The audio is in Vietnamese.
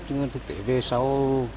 nhưng thực tế về sau